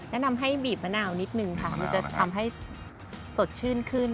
แนะนำให้บีบมะนาวนิดนึงค่ะมันจะทำให้สดชื่นขึ้น